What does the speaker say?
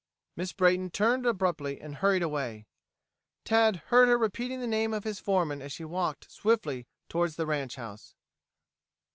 Miss Brayton turned abruptly and hurried away. Tad heard her repeating the name of his foreman as she walked swiftly toward the ranch house.